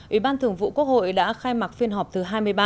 ủy ban thường vụ quốc hội đã khai mạc phiên họp thứ hai mươi ba